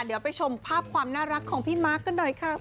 เดี๋ยวไปชมภาพความน่ารักของพี่มาร์คกันหน่อยค่ะ